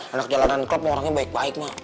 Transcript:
anak jalanan klub orangnya baik baik mak